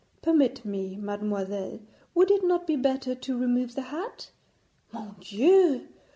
'Permit me, mademoiselle, would it not be better to remove the hat? Mon Dieu!